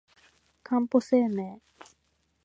かんぽ生命